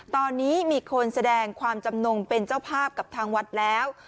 ตอนนี้มีคนแสดงความจำนงเป็นเจ้าภาพกับทางวัดแล้ว